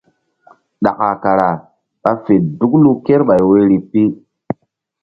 Ɗaka kara ɓa fe duklu kerpuh woyri pi.